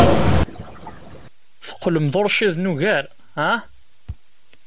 Teqqlem d uṛciden ugar, ah?